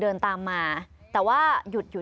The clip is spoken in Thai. เดินตามมาแต่ว่าหยุดหยุด